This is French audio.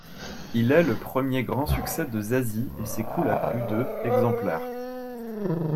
Il est le premier grand succès de Zazie et s'écoule à plus de exemplaires.